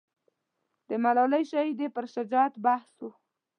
د ملالۍ شهیدې پر شجاعت بحث و.